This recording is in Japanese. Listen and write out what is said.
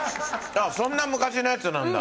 そんな昔のやつなんだ！